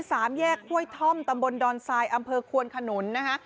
สามแยกห้วยท่อมตำบลดอนทรายอำเภอควนขนุนนะคะ